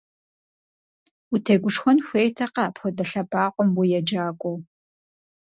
Утегушхуэн хуейтэкъэ апхуэдэ лъэбакъуэм уеджакӏуэу!